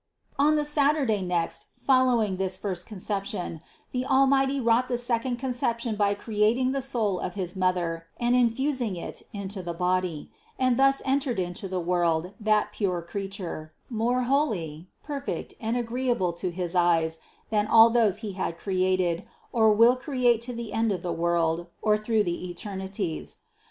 220. On the Saturday next following this first Con ception, the Almighty wrought the second Conception by creating the soul of his Mother and infusing it into 180 CITY OF GOD the body; and thus entered into the world that pure Creature, more holy, perfect and agreeable to His eyes than all those He had created, or will create to the end of the world, or through the eternities.